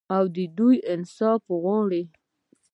او دوی انصاف غواړي.